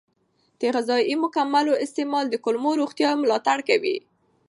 د غذایي مکملونو استعمال د کولمو روغتیا ملاتړ کوي.